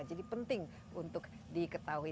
jadi penting untuk diketahui